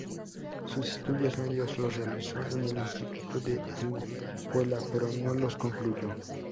Sus estudios medios los realizó en el Instituto de Alajuela, pero no los concluyó.